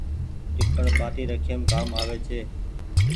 ٽيپڻ ٻآٽي رکيم ڪآ ڪآم آوي ڇي۔